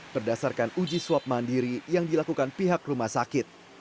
berdasarkan uji swab mandiri yang dilakukan pihak rumah sakit